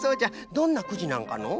どんなくじなんかのう？